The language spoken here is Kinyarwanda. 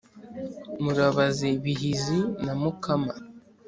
Murabaze Bihizi na Mukama